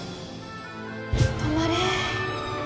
止まれ